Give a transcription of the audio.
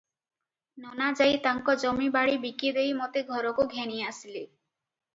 ନନା ଯାଇ ତାଙ୍କ ଜମି ବାଡ଼ି ବିକିଦେଇ ମୋତେ ଘରକୁ ଘେନି ଆସିଲେ ।